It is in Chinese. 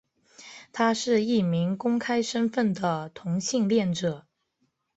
他是一名公开身份的同性恋者。